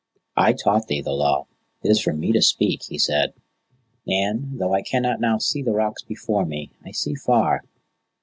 "I taught thee the Law. It is for me to speak," he said; "and, though I cannot now see the rocks before me, I see far.